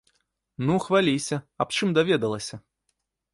Ну хваліся, аб чым даведалася?